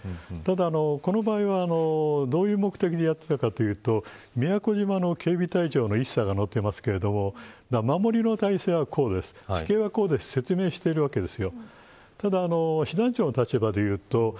ただこの場合はどういう目的でやっていたかというと宮古島の警備隊長の一佐が乗っていますが山盛りの体制はこうです、地形はこうです、と説明しているわけです。